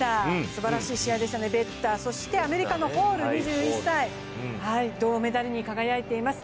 すばらしい試合でしたね、ベッターそしてアメリカのホール、２１歳、銅メダルに輝いています。